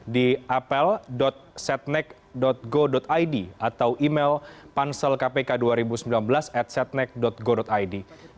di apel setnek go id atau email pansel kpk dua ribu sembilan belas at setnek go id